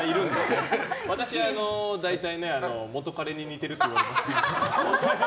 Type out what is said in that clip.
私、大体元カレに似てるって言われます。